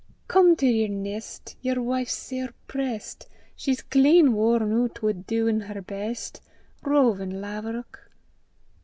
Come to yer nest; Yer wife's sair prest; She's clean worn oot wi' duin' her best, Rovin' laverock!